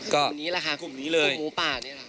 ก็คือกลุ่มนี้แหละค่ะกลุ่มหมูปากนี่แหละ